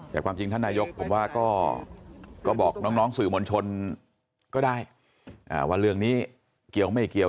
แต่ความจริงท่านนายกผมว่าก็บอกน้องสื่อมวลชนก็ได้ว่าเรื่องนี้เกี่ยวไม่เกี่ยว